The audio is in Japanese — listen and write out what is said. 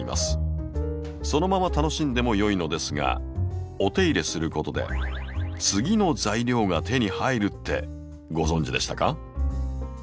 そのまま楽しんでもよいのですがお手入れすることで「次の材料」が手に入るってご存じでしたか？